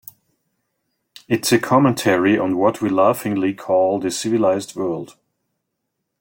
It's a commentary on what we laughingly call the civilized world.